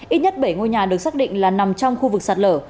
ít nhất bảy ngôi nhà được xác định là nằm trong khu vực sạt lở